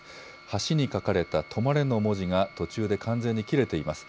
橋に書かれた止まれの文字が途中で完全に切れています。